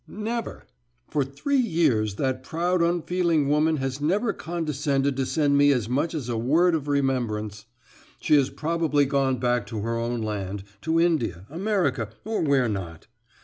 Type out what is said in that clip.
"Never! For three years that proud, unfeeling woman has never condescended to send me as much as a word of remembrance. She has probably gone back to her own land, to India, America, or where not.